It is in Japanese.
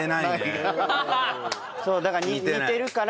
そうだから似てるから。